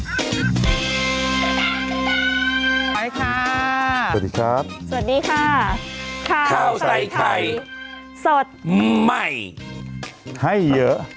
ไปค่ะสวัสดีครับสวัสดีค่ะข้าวใส่ไข่สดใหม่ให้เยอะ